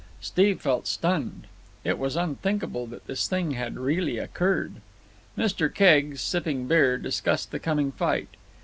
Steve felt stunned. It was unthinkable that this thing had really occurred. Mr. Keggs, sipping beer, discussed the coming fight.